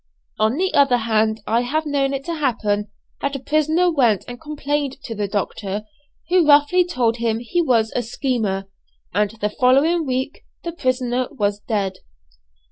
On the other hand I have known it to happen that a prisoner went and complained to the doctor, who roughly told him he was a "schemer," and the following week the prisoner was dead.